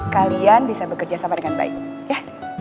kalian bisa bekerja sama dengan baik ya